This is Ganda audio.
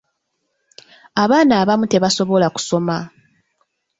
Abaana abamu tebasobola kusoma.